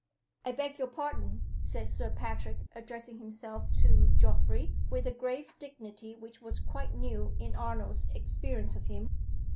"I beg your pardon," said Sir Patrick, addressing himself to Geoffrey, with a grave dignity which was quite new in Arnold's experience of him.